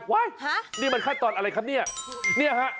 ว๊ายนี่มันขั้นตอนอะไรครับเนี่ยเนี่ยฮะ